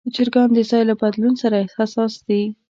چرګان د ځای له بدلون سره حساس دي.